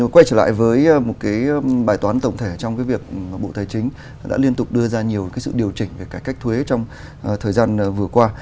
quay trở lại với một cái bài toán tổng thể trong cái việc bộ tài chính đã liên tục đưa ra nhiều cái sự điều chỉnh về cải cách thuế trong thời gian vừa qua